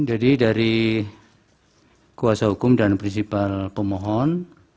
jadi dari kuasa hukum dan prinsipal pemohon